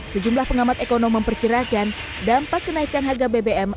sejumlah pengamat ekonomi memperkirakan dampak kenaikan harga bbm